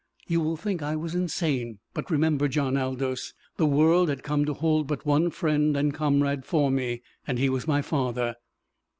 You will think I was insane. But remember, John Aldous the world had come to hold but one friend and comrade for me, and he was my father.